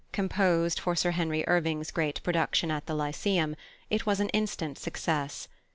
Composed for Sir Henry Irving's great production at the Lyceum, it was an instant success.